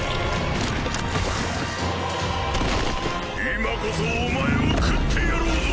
今こそお前を食ってやろうぞ！